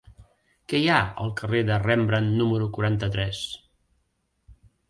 Què hi ha al carrer de Rembrandt número quaranta-tres?